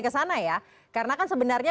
ke sana ya karena kan sebenarnya